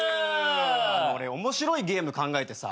俺面白いゲーム考えてさ。